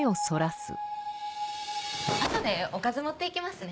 後でおかず持って行きますね。